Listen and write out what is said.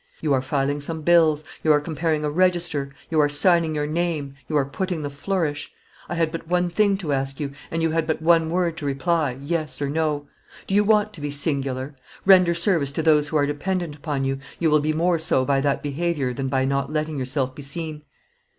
You are filing some bills, you are comparing a register; you are signing your name, you are putting the flourish. I had but one thing to ask you, and you had but one word to reply: yes or no. Do you want to be singular? Render service to those who are dependent upon you, you will be more so by that behavior than by not letting yourself be seen.